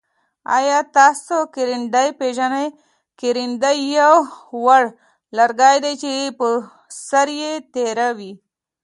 آیا تاسو کرندی پیژنی؟ کرندی یو وړ لرګی دی چه سر یي تیره وي.